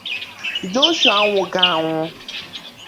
Joshua anwụghị anwụ